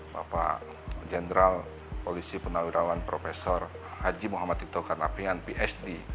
bapak jeneral polisi punawirawan prof haji muhammad tito karnavian phd